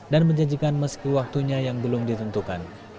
dan menjanjikan meski waktunya yang belum ditentukan